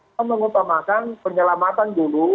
kita mengutamakan penyelamatan dulu